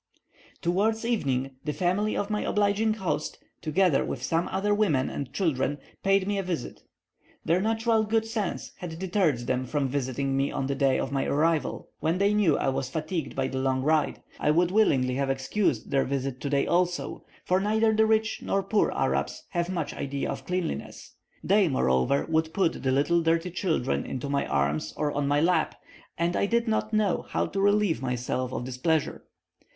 Towards evening the family of my obliging host, together with some other women and children, paid me a visit. Their natural good sense had deterred them from visiting me on the day of my arrival, when they knew I was fatigued by the long ride. I would willingly have excused their visit today also, for neither the rich nor poor Arabs have much idea of cleanliness. They, moreover, would put the little dirty children into my arms or on my lap, and I did not know how to relieve myself of this pleasure.